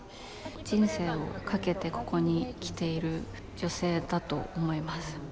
人生をかけてここに来ている女性だと思います。